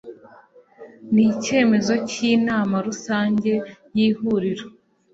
n icyemezo cy Inama Rusange y Ihuriro